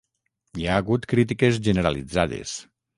Hi ha hagut crítiques generalitzades.